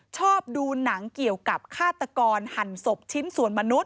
ชอบดูหนังเกี่ยวกับฆาตกรหั่นศพชิ้นส่วนมนุษย